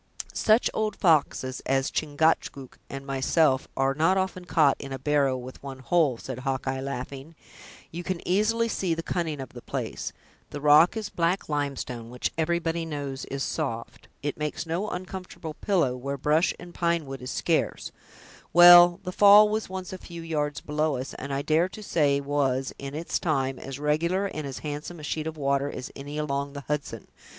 "Such old foxes as Chingachgook and myself are not often caught in a barrow with one hole," said Hawkeye, laughing; "you can easily see the cunning of the place—the rock is black limestone, which everybody knows is soft; it makes no uncomfortable pillow, where brush and pine wood is scarce; well, the fall was once a few yards below us, and I dare to say was, in its time, as regular and as handsome a sheet of water as any along the Hudson.